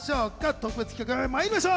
特別企画まいりましょう！